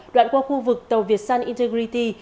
đoạn qua khu vực tàu việt sun integrity